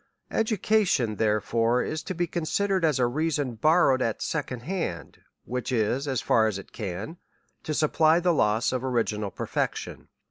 Education, therefore, is to be considered as reason borrowed at second hand, which is, as far as it can, to supply the loss of original perfection.